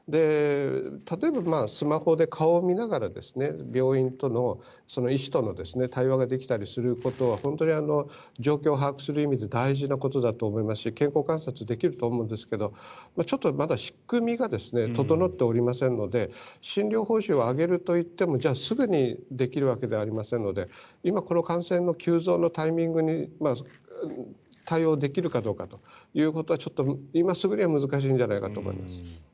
例えば、スマホで顔を見ながら病院との医師との対話ができたりすることは本当に状況を把握する意味で大事なことだと思いますし健康観察もできると思いますがちょっとまだ仕組みが整っておりませんので診療報酬を上げるといってもじゃあ、すぐにできるわけではありませんので今、この感染の急増のタイミングに対応できるかどうかということはちょっと今すぐには難しいんじゃないかと思います。